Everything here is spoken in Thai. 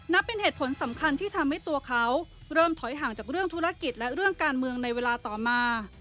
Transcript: เป็นเหตุผลสำคัญที่ทำให้ตัวเขาเริ่มถอยห่างจากเรื่องธุรกิจและเรื่องการเมืองในเวลาต่อมา